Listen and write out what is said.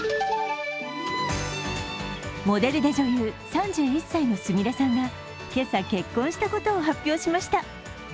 モデルで女優、３１歳のすみれさんが今朝、結婚したことを発表しました